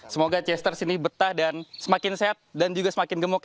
semoga chester sini betah dan semakin sehat dan juga semakin gemuk ya